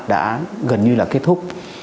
đã gần như là kết thúc